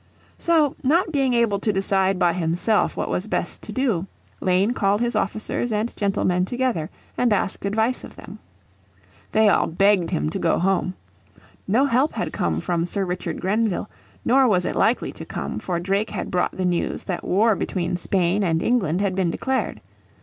So not being able to decide by himself what was best to do, Lane called his officers and gentlemen together, and asked advice of them. They all begged him to go home. No help had come from Sir Richard Grenville, nor was it likely to come, for Drake had brought the news that war between Spain and England had been declared.